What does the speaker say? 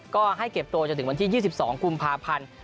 ก็ให้เก็บตัวจนถึงวันที่๒๒กุมภาพันธ์